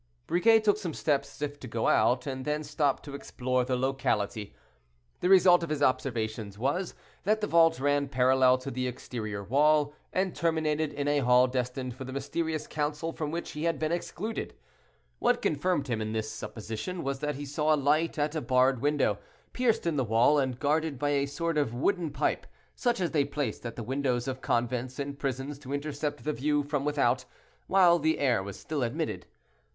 Briquet took some steps as if to go out, and then stopped to explore the locality. The result of his observations was, that the vault ran parallel to the exterior wall, and terminated in a hall destined for the mysterious council from which he had been excluded. What confirmed him in this supposition was that he saw a light at a barred window, pierced in the wall, and guarded by a sort of wooden pipe, such as they placed at the windows of convents and prisons to intercept the view from without, while the air was still admitted.